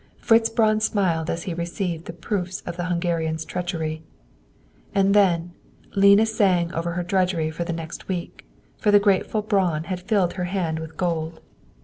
Fritz Braun smiled as he received the proofs of the Hungarian's treachery. And then, Lena sang over her drudgery for the next week, for the grateful Braun had filled her hand with gold.